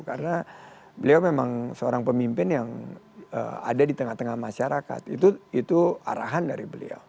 karena beliau memang seorang pemimpin yang ada di tengah tengah masyarakat itu arahan dari beliau